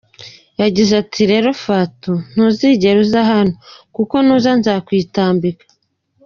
Yagize ati “Rero Fatou, ntuzigere uza hano kuko nuza nzakwitambika.